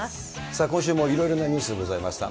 さあ今週もいろいろなニュースがございました。